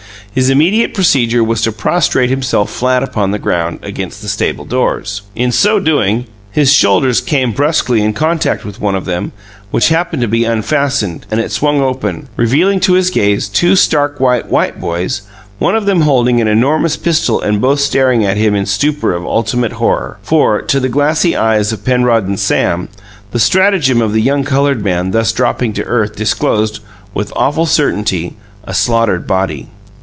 His immediate procedure was to prostrate himself flat upon the ground, against the stable doors. In so doing, his shoulders came brusquely in contact with one of them, which happened to be unfastened, and it swung open, revealing to his gaze two stark white white boys, one of them holding an enormous pistol and both staring at him in stupor of ultimate horror. For, to the glassy eyes of Penrod and Sam, the stratagem of the young coloured man, thus dropping to earth, disclosed, with awful certainty, a slaughtered body.